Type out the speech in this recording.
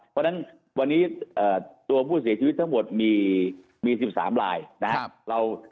เพราะฉะนั้นวันนี้ตัวผู้เสียชีวิตทั้งหมดมี๑๓ลายนะครับ